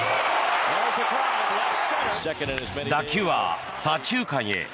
打球は左中間へ。